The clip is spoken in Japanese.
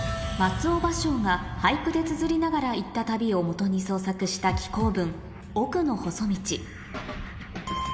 俳句でつづりながら行った旅を基に創作した紀行文